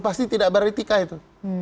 pasti tidak beretika itu